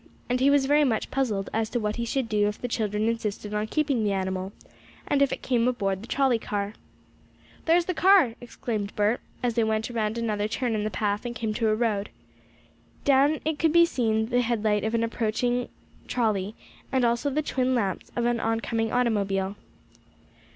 And he was very much puzzled as to what he should do if the children insisted on keeping the animal, and if it came aboard the trolley car. "There's the car!" exclaimed Bert, as they went around another turn in the path and came to a road. Down it could be seen the headlight of an approaching trolley, and also the twin lamps of an oncoming automobile.